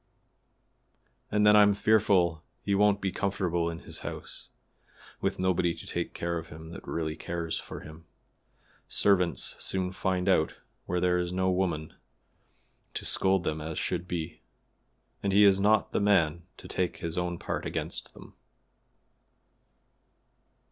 And then I'm fearful he won't be comfortable in his house, with nobody to take care of him that really cares for him; servants soon find out where there is no woman to scold them as should be, and he is not the man to take his own part against them."